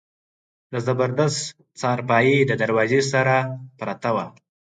د زبردست څارپايي د دروازې سره پرته وه.